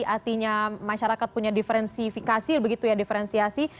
artinya masyarakat punya difer begitu ya diferensiasi